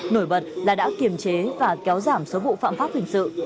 nổi bật là đã kiềm chế và kéo giảm số vụ phạm pháp hình sự